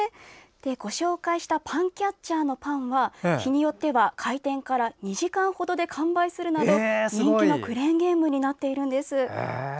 ご紹介したパンキャッチャーのパンは日によっては、開店から２時間ほどで完売するなど人気のクレーンゲームになっているんです。